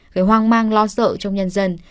gây hoang mang lo sợ trong nhân dân